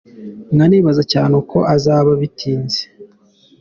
Nkanibaza cyane, uko azaba bitinze.